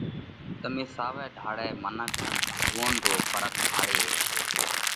تمي ساوئہ ڍاۯئہ منک ان ڀڳوونَ رو ڦرق ڀاۯي هيڪشو۔